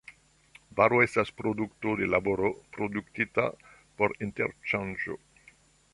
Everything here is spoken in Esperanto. Varo estas produkto de laboro, produktita por interŝanĝo.